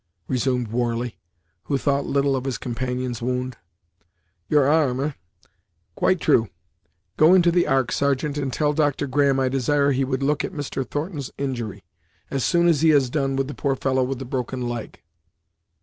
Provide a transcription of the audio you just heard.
resumed Warley, who thought little of his companion's wound "your arm, eh! Quite True Go into the ark, sergeant, and tell Dr. Graham I desire he would look at Mr. Thornton's injury, as soon as he has done with the poor fellow with the broken leg.